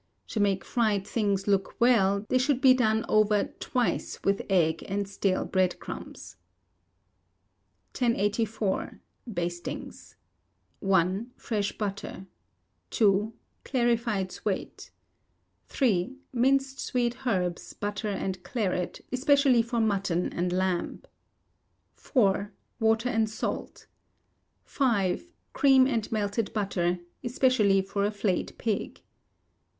To make fried things look well, they should be done over twice with egg and stale bread crumbs. 1084. Bastings. i. Fresh butter. ii. Clarified suet. iii. Minced sweet herbs, butter, and claret, especially for mutton and lamb. iv. Water and salt. v. Cream and melted butter, especially for a flayed pig.